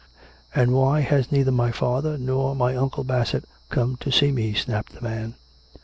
" And why has neither my father nor my Uncle Bassett come to see me ?" snapped the man.